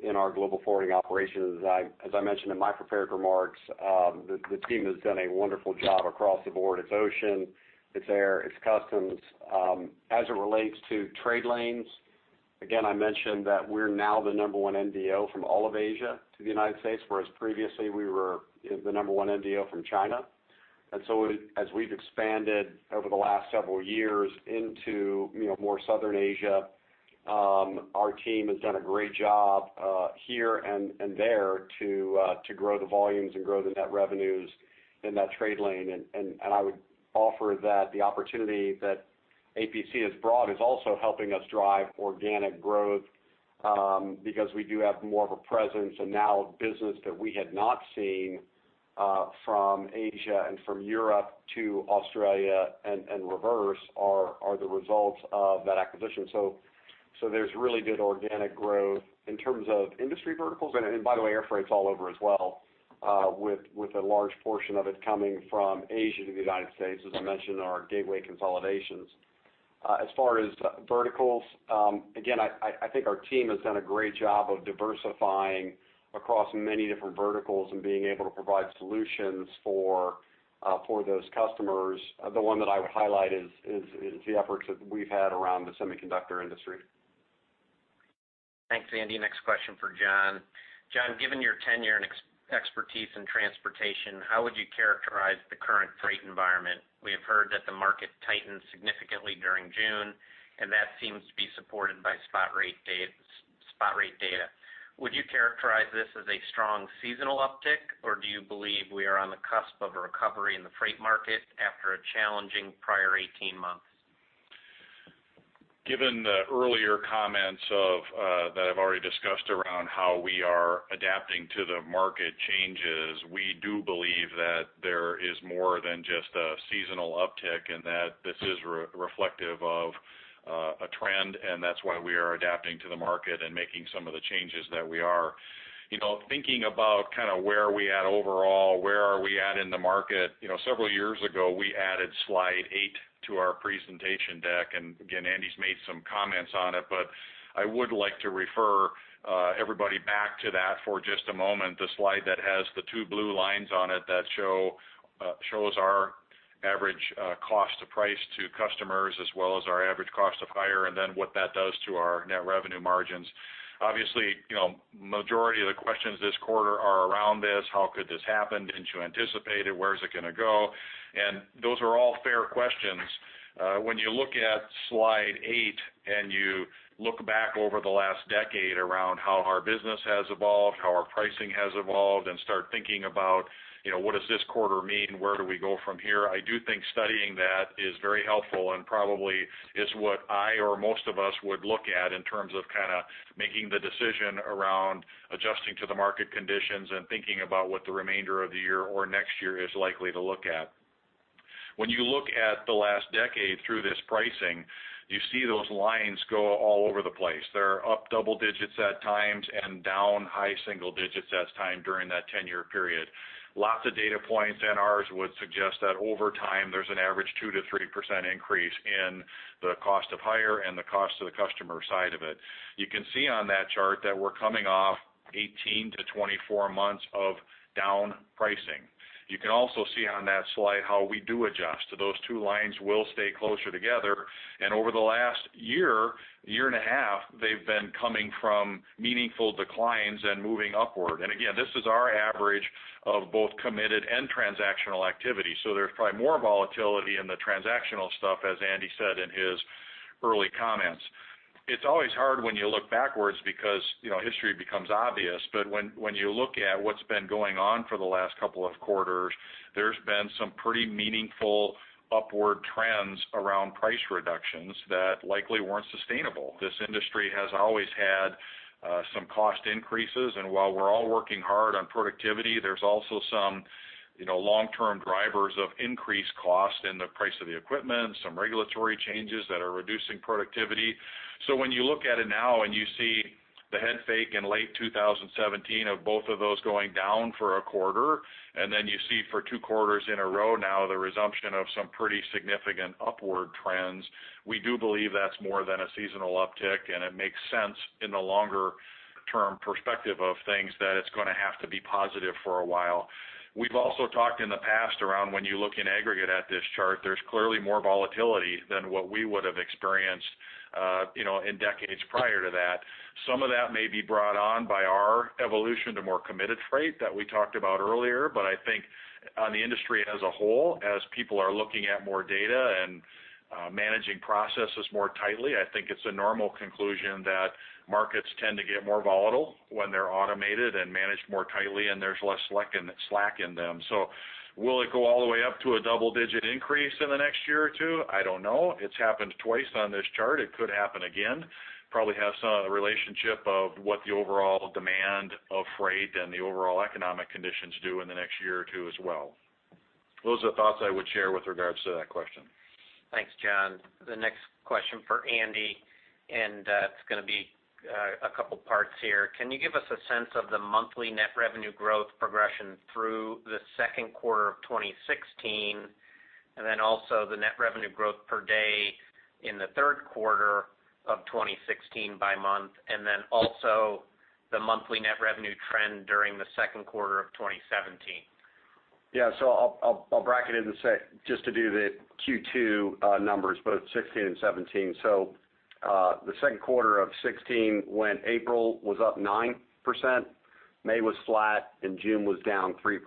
in our Global Forwarding operations. As I mentioned in my prepared remarks, the team has done a wonderful job across the board. It's ocean, it's air, it's customs. As it relates to trade lanes, again, I mentioned that we're now the number one NVO from all of Asia to the U.S., whereas previously, we were the number one NVO from China. As we've expanded over the last several years into more Southern Asia, our team has done a great job here and there to grow the volumes and grow the net revenues in that trade lane. I would offer that the opportunity that APC has brought is also helping us drive organic growth because we do have more of a presence, and now business that we had not seen from Asia and from Europe to Australia and reverse are the results of that acquisition. There's really good organic growth in terms of industry verticals. By the way, air is all over as well, with a large portion of it coming from Asia to the U.S., as I mentioned in our gateway consolidations. As far as verticals, again, I think our team has done a great job of diversifying across many different verticals and being able to provide solutions for those customers. The one that I would highlight is the efforts that we've had around the semiconductor industry. Thanks, Andy. Next question for John. John, given your tenure and expertise in transportation, how would you characterize the current freight environment? We have heard that the market tightened significantly during June, and that seems to be supported by spot rate data. Would you characterize this as a strong seasonal uptick, or do you believe we are on the cusp of a recovery in the freight market after a challenging prior 18 months? Given the earlier comments that I've already discussed around how we are adapting to the market changes, we do believe that there is more than just a seasonal uptick and that's why we are adapting to the market and making some of the changes that we are. Thinking about where are we at overall, where are we at in the market? Several years ago, we added slide eight to our presentation deck. Again, Andy Clarke's made some comments on it, but I would like to refer everybody back to that for just a moment. The slide that has the two blue lines on it that shows our average cost to price to customers, as well as our average cost to hire, and then what that does to our net revenue margins. Obviously, majority of the questions this quarter are around this. How could this happen? Didn't you anticipate it? Where is it going to go? Those are all fair questions. When you look at slide eight, and you look back over the last decade around how our business has evolved, how our pricing has evolved, and start thinking about what does this quarter mean? Where do we go from here? I do think studying that is very helpful and probably is what I or most of us would look at in terms of making the decision around adjusting to the market conditions and thinking about what the remainder of the year or next year is likely to look at. When you look at the last decade through this pricing, you see those lines go all over the place. They are up double digits at times and down high single digits at times during that 10-year period. Lots of data points. Ours would suggest that over time, there's an average 2%-3% increase in the cost to hire and the cost to the customer side of it. You can see on that chart that we're coming off 18-24 months of down pricing. You can also see on that slide how we do adjust. Those two lines will stay closer together. Over the last year and a half, they've been coming from meaningful declines and moving upward. Again, this is our average of both committed and transactional activity. There's probably more volatility in the transactional stuff, as Andy Clarke said in his early comments. It's always hard when you look backwards because history becomes obvious. When you look at what's been going on for the last couple of quarters, there's been some pretty meaningful upward trends around price reductions that likely weren't sustainable. This industry has always had some cost increases, and while we're all working hard on productivity, there's also some long-term drivers of increased cost in the price of the equipment, some regulatory changes that are reducing productivity. When you look at it now and you see the head fake in late 2016 of both of those going down for a quarter, and then you see for two quarters in a row now the resumption of some pretty significant upward trends, we do believe that's more than a seasonal uptick, and it makes sense in the longer-term perspective of things that it's going to have to be positive for a while. We've also talked in the past around when you look in aggregate at this chart, there's clearly more volatility than what we would have experienced in decades prior to that. Some of that may be brought on by our evolution to more committed freight that we talked about earlier. I think on the industry as a whole, as people are looking at more data and managing processes more tightly, I think it's a normal conclusion that markets tend to get more volatile when they're automated and managed more tightly, and there's less slack in them. Will it go all the way up to a double-digit increase in the next year or two? I don't know. It's happened twice on this chart. It could happen again. Probably have some relationship of what the overall demand of freight and the overall economic conditions do in the next year or two as well. Those are the thoughts I would share with regards to that question. Thanks, John. The next question for Andy, it's going to be a couple of parts here. Can you give us a sense of the monthly net revenue growth progression through the second quarter of 2016? Then also the net revenue growth per day in the third quarter of 2016 by month, then also the monthly net revenue trend during the second quarter of 2017. I'll bracket it and say, just to do the Q2 numbers, both 2016 and 2017. The second quarter of 2016, when April was up 9%, May was flat, and June was down 3%.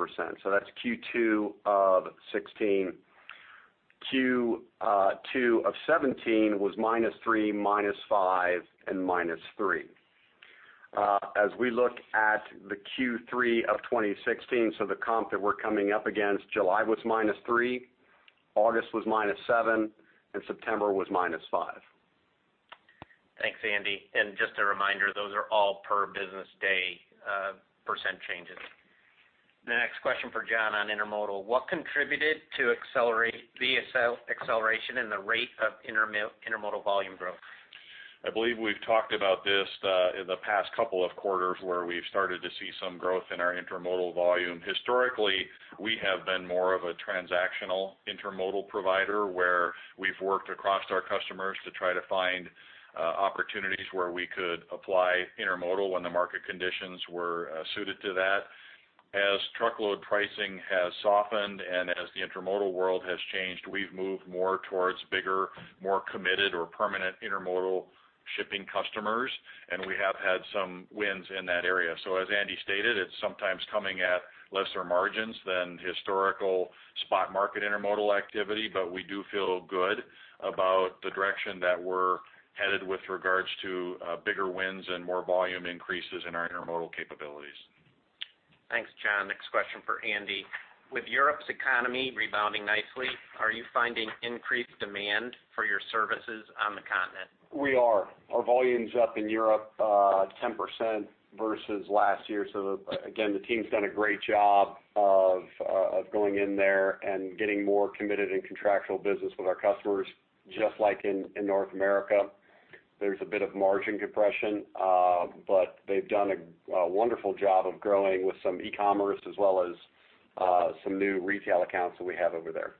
That's Q2 of 2016. Q2 of 2017 was minus three, minus five, and minus three. As we look at the Q3 of 2016, so the comp that we're coming up against, July was minus three, August was minus seven, and September was minus five. Thanks, Andy. Just a reminder, those are all per business day % changes. The next question for John on intermodal. What contributed to the acceleration and the rate of intermodal volume growth? I believe we've talked about this in the past couple of quarters where we've started to see some growth in our intermodal volume. Historically, we have been more of a transactional intermodal provider, where we've worked across our customers to try to find opportunities where we could apply intermodal when the market conditions were suited to that. As truckload pricing has softened and as the intermodal world has changed, we've moved more towards bigger, more committed or permanent intermodal shipping customers, and we have had some wins in that area. As Andy stated, it's sometimes coming at lesser margins than historical spot market intermodal activity, but we do feel good about the direction that we're headed with regards to bigger wins and more volume increases in our intermodal capabilities. Thanks, John. Next question for Andy. With Europe's economy rebounding nicely, are you finding increased demand for your services on the continent? We are. Our volume's up in Europe 10% versus last year. Again, the team's done a great job of going in there and getting more committed in contractual business with our customers, just like in North America. There's a bit of margin compression, but they've done a wonderful job of growing with some e-commerce as well as some new retail accounts that we have over there.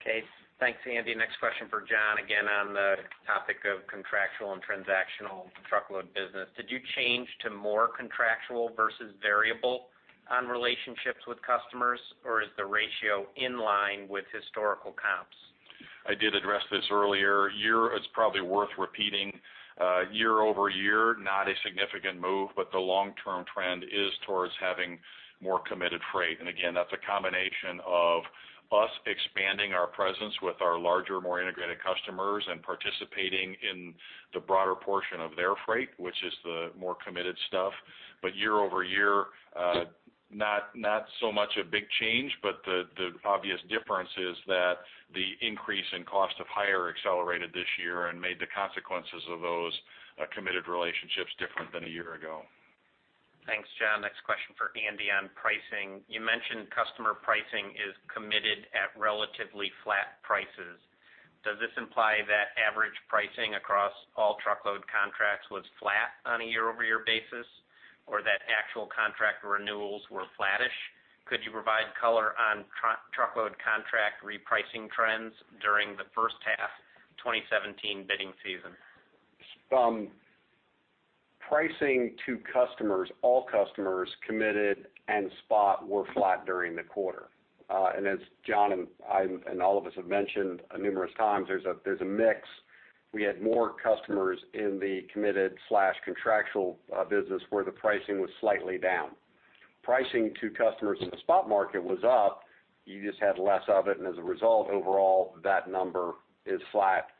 Okay. Thanks, Andy. Next question for John, again on the topic of contractual and transactional truckload business. Did you change to more contractual versus variable on relationships with customers, or is the ratio in line with historical comps? I did address this earlier. It's probably worth repeating. Year-over-year, not a significant move, but the long-term trend is towards having more committed freight. Again, that's a combination of us expanding our presence with our larger, more integrated customers and participating in the broader portion of their freight, which is the more committed stuff. Year-over-year, not so much a big change, but the obvious difference is that the increase in cost of hire accelerated this year and made the consequences of those committed relationships different than a year ago. Thanks, John. Next question for Andy on pricing. You mentioned customer pricing is committed at relatively flat prices. Does this imply that average pricing across all truckload contracts was flat on a year-over-year basis, or that actual contract renewals were flattish? Could you provide color on truckload contract repricing trends during the first half 2017 bidding season? Pricing to customers, all customers, committed and spot, were flat during the quarter. As John and all of us have mentioned numerous times, there's a mix. We had more customers in the committed/contractual business where the pricing was slightly down. Pricing to customers in the spot market was up. You just had less of it, and as a result, overall, that number is flat.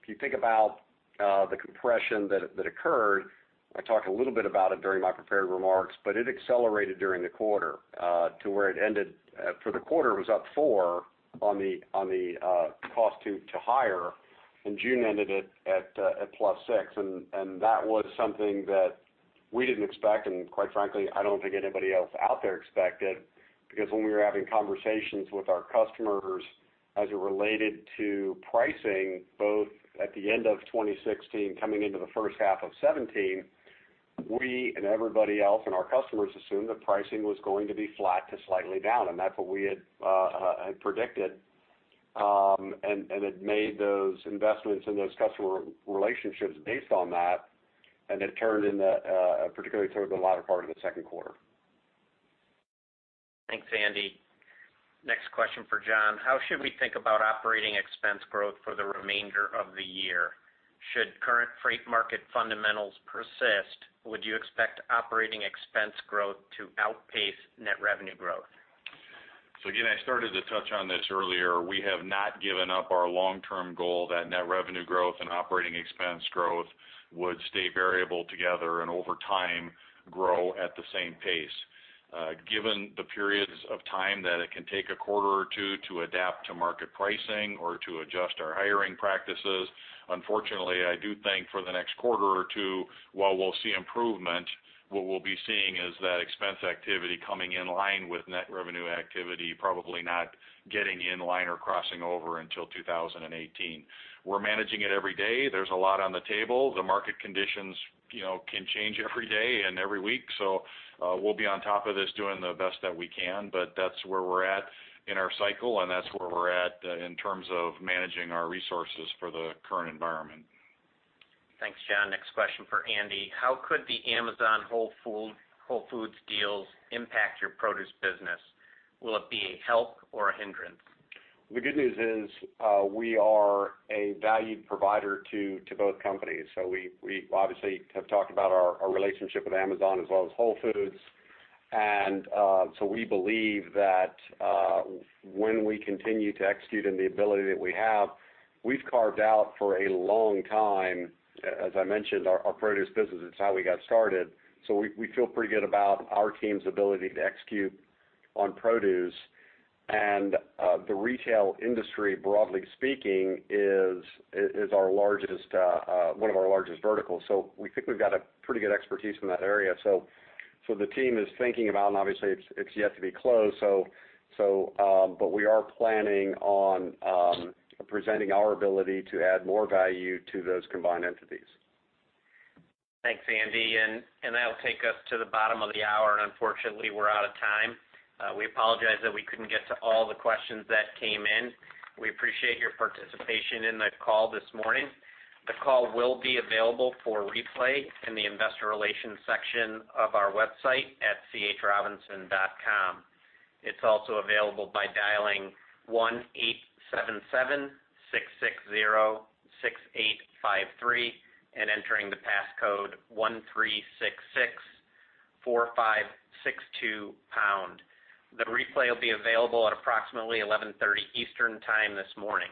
If you think about the compression that occurred, I talked a little about it during my prepared remarks, but it accelerated during the quarter to where it ended for the quarter was up four on the cost of hire, and June ended it at plus six. That was something that we didn't expect, and quite frankly, I don't think anybody else out there expected, because when we were having conversations with our customers as it related to pricing, both at the end of 2016 coming into the first half of 2017, we and everybody else and our customers assumed that pricing was going to be flat to slightly down. That's what we had predicted, and had made those investments in those customer relationships based on that, and it turned, particularly towards the latter part of the second quarter. Thanks, Andy. Next question for John. How should we think about operating expense growth for the remainder of the year? Should current freight market fundamentals persist, would you expect operating expense growth to outpace net revenue growth? Again, I started to touch on this earlier. We have not given up our long-term goal that net revenue growth and operating expense growth would stay variable together, and over time, grow at the same pace. Given the periods of time that it can take a quarter or two to adapt to market pricing or to adjust our hiring practices, unfortunately, I do think for the next quarter or two, while we'll see improvement, what we'll be seeing is that expense activity coming in line with net revenue activity, probably not getting in line or crossing over until 2018. We're managing it every day. There's a lot on the table. The market conditions can change every day and every week, we'll be on top of this, doing the best that we can. That's where we're at in our cycle, and that's where we're at in terms of managing our resources for the current environment. Thanks, John. Next question for Andy. How could the Amazon Whole Foods deals impact your produce business? Will it be a help or a hindrance? The good news is, we are a valued provider to both companies. We obviously have talked about our relationship with Amazon as well as Whole Foods. We believe that when we continue to execute in the ability that we have, we've carved out for a long time, as I mentioned, our produce business, it's how we got started. We feel pretty good about our team's ability to execute on produce, and the retail industry, broadly speaking, is one of our largest verticals. We think we've got a pretty good expertise in that area. The team is thinking about it, and obviously, it's yet to be closed. We are planning on presenting our ability to add more value to those combined entities. Thanks, Andy. That'll take us to the bottom of the hour, and unfortunately, we're out of time. We apologize that we couldn't get to all the questions that came in. We appreciate your participation in the call this morning. The call will be available for replay in the investor relations section of our website at chrobinson.com. It's also available by dialing 1-877-660-6853 and entering the passcode 1366 4562#. The replay will be available at approximately 11:30 A.M. Eastern Time this morning.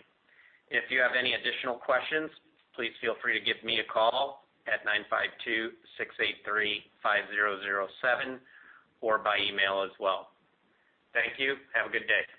If you have any additional questions, please feel free to give me a call at 952-683-5007, or by email as well. Thank you. Have a good day.